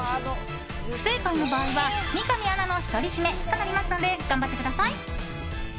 不正解の場合は、三上アナの独り占めとなりますので頑張ってください！